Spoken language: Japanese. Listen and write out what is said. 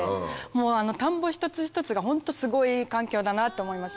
もう田んぼ一つ一つがホントすごいいい環境だなって思いました。